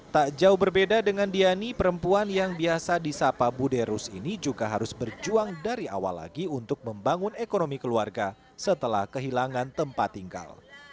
tak jauh berbeda dengan diani perempuan yang biasa di sapa buderus ini juga harus berjuang dari awal lagi untuk membangun ekonomi keluarga setelah kehilangan tempat tinggal